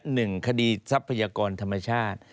หนึ่งคดีทรัพยากรธรรมชาติ